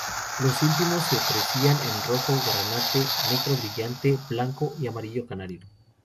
Los últimos se ofrecían en rojo granate, negro brillante, blanco y amarillo canario.